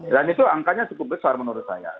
dan itu angkanya cukup besar menurut saya